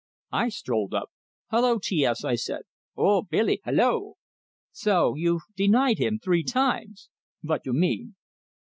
I strolled up. "Hello, T S!" I said. "Oh, Billy! Hello!" "So you've denied him three times!" "Vot you mean?"